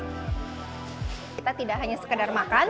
kita tidak hanya sekedar makan